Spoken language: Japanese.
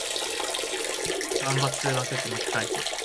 万発捲って負け回避